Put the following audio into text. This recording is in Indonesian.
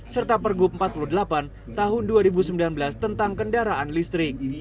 serta pergub empat puluh delapan tahun dua ribu sembilan belas tentang kendaraan listrik